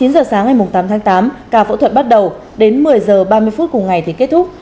chín giờ sáng ngày tám tháng tám ca phẫu thuật bắt đầu đến một mươi h ba mươi phút cùng ngày thì kết thúc